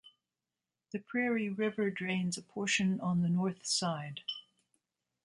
The Prairie River drains a portion on the north side.